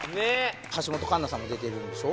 橋本環奈さんも出てるんでしょ？